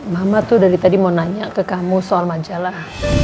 mama tuh dari tadi mau nanya ke kamu soal majalah